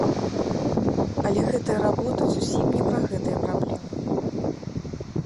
Але гэтая работа зусім не пра гэтыя праблемы!